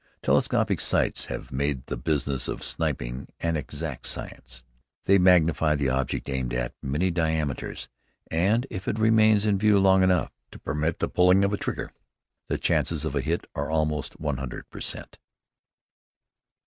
Telescopic sights have made the business of sniping an exact science. They magnify the object aimed at many diameters, and if it remains in view long enough to permit the pulling of a trigger, the chances of a hit are almost one hundred per cent.